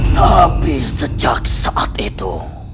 tapi sejak saat itu